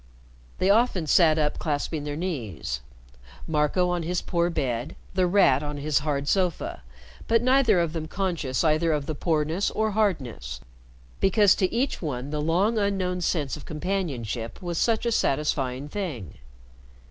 They often sat up clasping their knees, Marco on his poor bed, The Rat on his hard sofa, but neither of them conscious either of the poorness or hardness, because to each one the long unknown sense of companionship was such a satisfying thing.